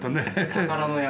宝の山。